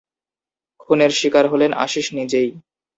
খুনের শিকার হলেন আশীষ নিজেই।